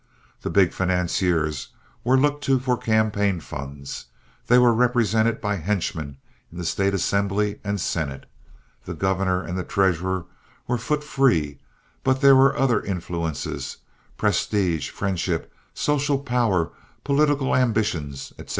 The big financiers were looked to for campaign funds. They were represented by henchmen in the State assembly and senate. The governor and the treasurer were foot free; but there were other influences—prestige, friendship, social power, political ambitions, etc.